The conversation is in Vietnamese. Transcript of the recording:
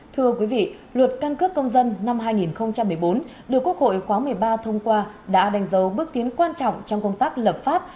thưa quý vị luật căn cước công dân năm hai nghìn một mươi bốn được quốc hội khóa một mươi ba thông qua đã đánh dấu bước tiến quan trọng trong công tác lập pháp